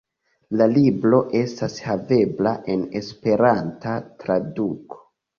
La libro estas havebla en esperanta traduko.